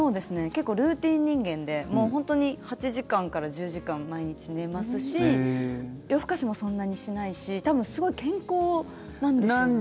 結構、ルーチン人間でもう本当に、８時間から１０時間毎日寝ますし夜更かしもそんなにしないし多分、すごい健康なんです。